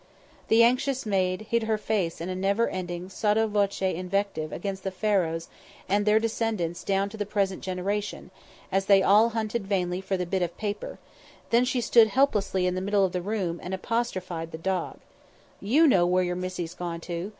The anxious maid hid her fear in a never ending, sotto voce invective against the Pharaohs and their descendants down to the present generation, as they all hunted vainly for the bit of paper; then she stood helplessly in the middle of the room and apostrophised the dog: "You know where your missie's gone to.